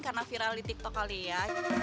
karena viral di tiktok kali ya